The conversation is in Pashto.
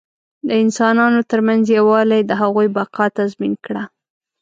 د انسانانو تر منځ یووالي د هغوی بقا تضمین کړه.